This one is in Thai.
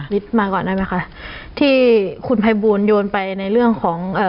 ลิตซ์มาก่อนได้มั้ยคะที่คุณพัยบูรณ์ยนต์ไปในเรื่องของ